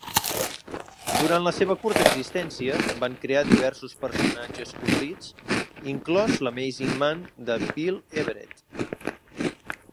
Durant la seva curta existència, van crear diversos personatges colorits, inclòs l'Amazing-Man de Bill Everett.